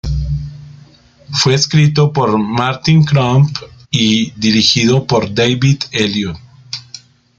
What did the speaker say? Fue escrito por Martin Crump y dirigido por David Elliott.